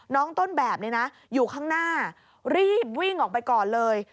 ต้นแบบนี้นะอยู่ข้างหน้ารีบวิ่งออกไปก่อนเลย